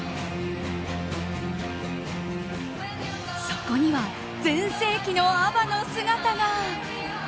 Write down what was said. そこには全盛期のＡＢＢＡの姿が。